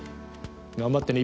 頑張ってね。